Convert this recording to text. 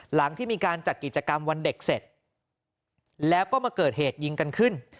หลังที่มีการจัดกิจกรรมวันเด็กเสร็จแล้วก็มาเกิดเหตุยิงกันขึ้น